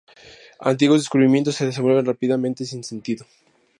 Antiguos descubrimientos se vuelven rápidamente sin sentido.